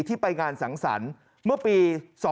ที่ไปงานสังสรรค์เมื่อปี๒๕๖